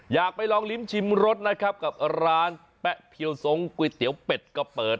อยากไปลองลิ้มชิมรสนะครับกับร้านแป๊ะเพียวทรงก๋วยเตี๋ยวเป็ดกะเปิด